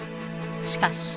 しかし。